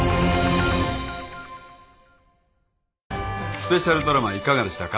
スペシャルドラマいかがでしたか？